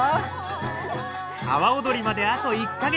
阿波踊りまであと１か月。